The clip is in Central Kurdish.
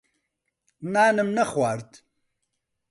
نانم نەخوارد.